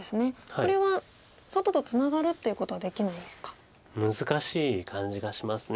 これは外とツナがるっていうことはできないんですか。